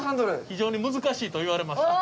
非常に難しいと言われました。